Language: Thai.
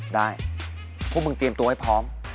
พวกมึงเตรียมตัวให้พร้อม